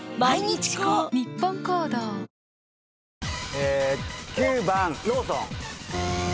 え９番ローソン。